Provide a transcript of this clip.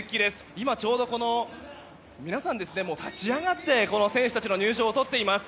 今、ちょうど皆さん立ち上がって選手たちの入場を撮っています。